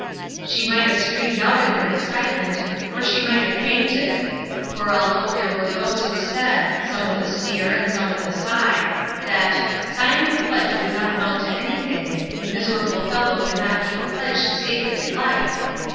She might have screamed out in her excitement, or she might have fainted; for although there were those who said some with a sneer, and some with a sigh that "signing the pledge would not amount to anything; the miserable fellow could not keep a pledge to save his life!"